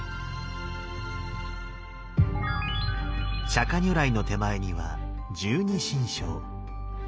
釈如来の手前には十二神将。